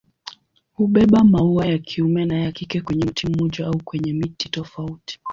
Hubeba maua ya kiume na ya kike kwenye mti mmoja au kwenye miti tofauti.